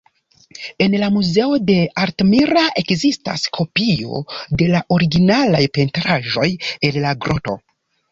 En la muzeo de Altamira ekzistas kopio de la originalaj pentraĵoj el la groto.